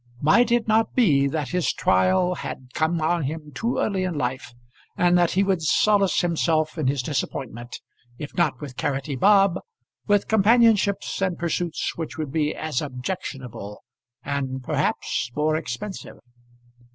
Might it not be that his trial had come on him too early in life, and that he would solace himself in his disappointment, if not with Carroty Bob, with companionships and pursuits which would be as objectionable, and perhaps more expensive?